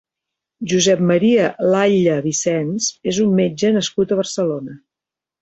Josep Maria Lailla Vicens és un metge nascut a Barcelona.